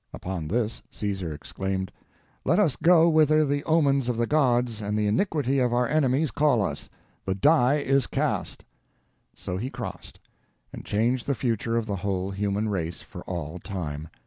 Upon this, Caesar exclaimed: "Let us go whither the omens of the gods and the iniquity of our enemies call us. The Die Is Cast." So he crossed—and changed the future of the whole human race, for all time.